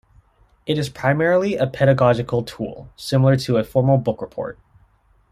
It is primarily a pedagogical tool, similar to a formal book report.